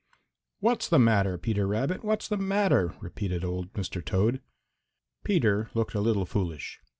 "What's the matter, Peter Rabbit, what's the matter?" repeated old Mr. Toad. Peter looked a little foolish.